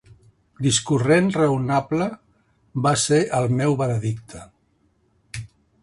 Discorrent raonable, va ser el meu veredicte.